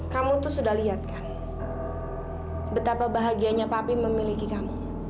kamu tuh sudah lihat kan betapa bahagianya papi memiliki kamu